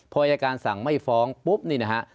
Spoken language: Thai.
พออายการสั่งไม่ฟ้องปุ๊บนี่นะฮะ